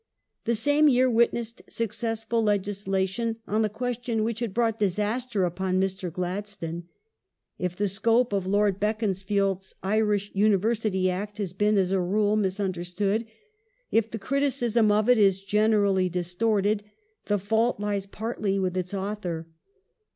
The same year witnessed successful legislation on the question which had brought disaster upon Mr. Gladstone. If the The Royal scope of Lord Beaconsfield's Irish University Act has been, as a rule, ^^"'^7 misunderstood, if the criticism of it is generally distorted, the fault Ireland lies partly with its author.